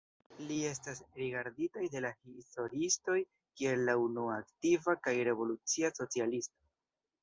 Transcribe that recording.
Li estas rigardita de la historiistoj kiel la unua aktiva kaj revolucia socialisto.